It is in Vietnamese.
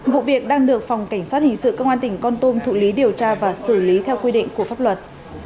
vụ việc đang được phòng cảnh sát hình sự công an tỉnh con tum thụ lý điều tra và xử lý theo quy định của pháp luật